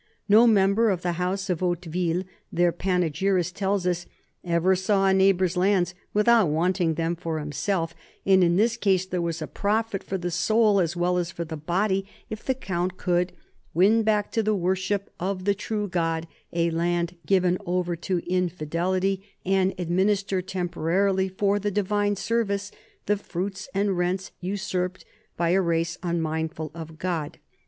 No member of the house of Hauteville, their panegyrist tells us, ever saw a neigh bor's lands without wanting them for himself, and in this case there was profit for the soul as well as for the body if the count could "win back to the worship of the true God a land given over to infidelity, and administer temporally for the divine service the fruits and rents usurped by a race unmindful of God."